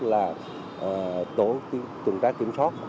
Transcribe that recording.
là tổ kiểm tra kiểm soát